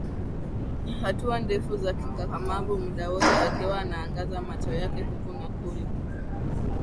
Hatua ndefu za kikakamavu muda wote akiwa anaangaza macho yake huku na kule